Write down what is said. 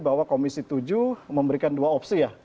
bahwa komisi tujuh memberikan dua opsi ya